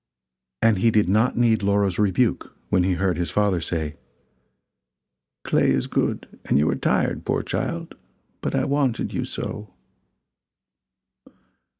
And he did not need Laura's rebuke when he heard his father say: "Clay is good, and you are tired, poor child; but I wanted you so."